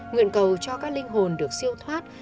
nguyện cầu cho các linh hồn được siêu thoát